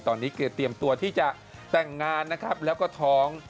ตอนนี้แกเตรียมตัวที่จะแต่งงานนะครับแล้วก็ท้อง